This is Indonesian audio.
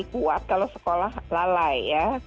kuat kalau sekolah lalai ya